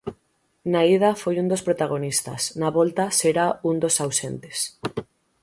Na ida foi un dos protagonistas, na volta será un dos ausentes.